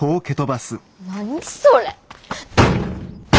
何それ。